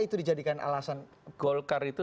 itu dijadikan alasan golkar itu